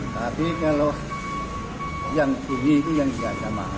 tapi kalau yang tinggi itu yang tidak sama